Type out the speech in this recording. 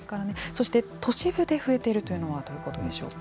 そして都市部で増えているというのはどういうことでしょうか。